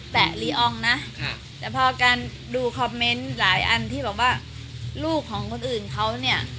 แต่พอการดูคอมเม้นท์หลายอันที่บอกว่าลูกของคนอื่นเขาเนี่ย